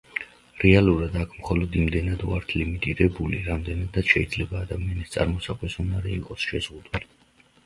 რეალურად, აქ მხოლოდ იმდენად ვართ ლიმიტირებული, რამდენადაც შეიძლება ადამიანის წარმოსახვის უნარი იყოს შეზღუდული.